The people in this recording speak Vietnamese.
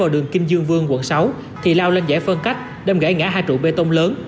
đường kinh dương vương quận sáu thì lao lên giải phân cách đâm gãy ngã hai trụ bê tông lớn